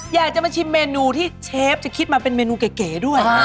อยากจะมาชิมเมนูที่เชฟจะคิดมาเป็นเมนูเก๋ด้วย